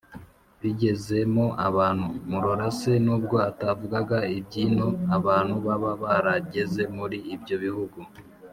bigezemo abantu.” murora se nubwo atavugaga iby’ino, abantu baba barageze muri ibyo bihugu,